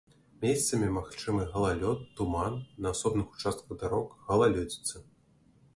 Месцамі магчымы галалёд, туман, на асобных участках дарог галалёдзіца.